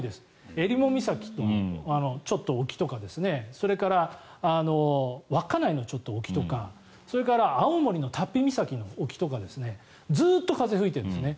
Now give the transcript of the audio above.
えりも岬のちょっと沖とかそれから稚内のちょっと沖とかそれから青森の竜飛岬のちょっと沖とかずっと風吹いてるんですね。